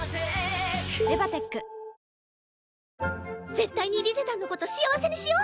絶対にリゼたんのこと幸せにしよう。